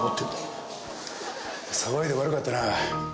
騒いで悪かったな。